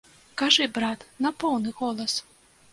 Кажы, брат, на поўны голас!